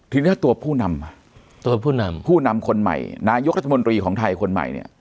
ทีนี้ตัวผู้นำผู้นำคนใหม่นายกรัฐมนตรีของไทยคนใหม่